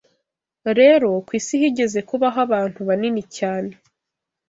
Rero ku isi higeze kubaho abantu banini cyane